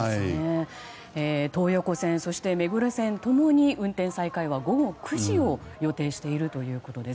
東横線、そして目黒線共に運転再開は午後９時を予定しているということです。